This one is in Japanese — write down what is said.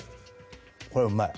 これうまい。